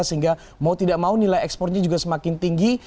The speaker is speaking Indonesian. sehingga mau tidak mau nilai ekspornya juga semakin tinggi